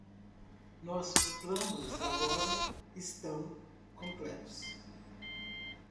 Nossos planos agora estão completos.